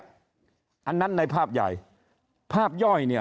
อันนั้นในภาพใหญ่ภาพย่อยเนี่ย